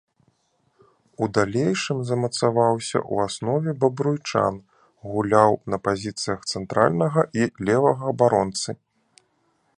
У далейшым замацаваўся ў аснове бабруйчан, гуляў на пазіцыях цэнтральнага і левага абаронцы.